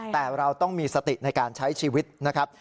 แต่เราต้องมีสติในการใช้ชีวิตนะครับ